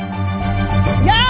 やあ！